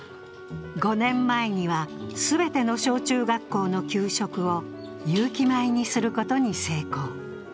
５年前には、全ての小中学校の給食を有機米にすることに成功。